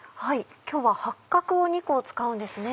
今日は八角を２個使うんですね。